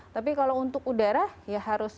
tapi kalau untuk udara ya harus